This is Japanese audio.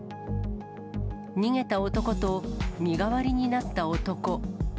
逃げた男と、身代わりになった男。